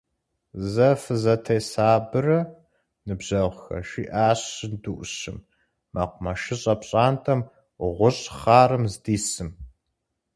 Зэ фызэтесабырэ, ныбжьэгъухэ! – жиӏащ жьынду ӏущым, мэкъумэшыщӏэ пщӏантӏэм гъущӏ хъарым здисым.